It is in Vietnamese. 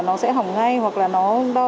nó sẽ hỏng ngay hoặc là nó đo